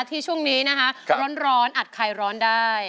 ช่วงนี้นะคะร้อนอัดคลายร้อนได้